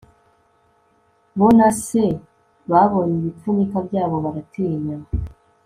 bo na se babonye ibipfunyika byabo baratinya